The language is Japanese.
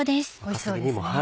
おいしそうですね。